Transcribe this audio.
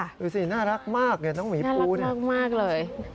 ดูสิน่ารักมากเนี่ยน้องหมีปูน่ารักมากเลย